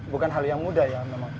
bukan hal yang mudah ya memang